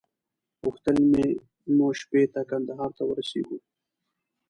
غوښتل مو شپې ته کندهار ته ورسېږو.